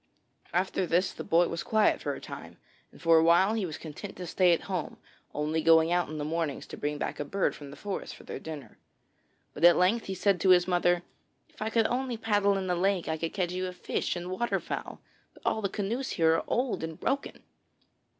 After this the boy was quiet for a time, and for a while he was content to stay at home, only going out in the mornings to bring back a bird from the forest for their dinner. But at length he said to his mother: 'If I could only paddle in the lake, I could catch you fish and water fowl; but all the canoes here are old and broken.'